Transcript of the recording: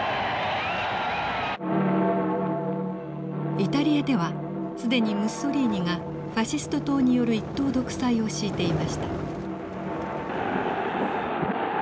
イタリアでは既にムッソリーニがファシスト党による一党独裁を敷いていました。